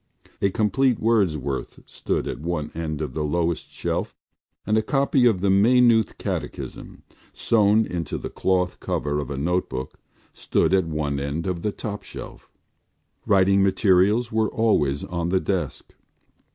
A complete Wordsworth stood at one end of the lowest shelf and a copy of the Maynooth Catechism, sewn into the cloth cover of a notebook, stood at one end of the top shelf. Writing materials were always on the desk.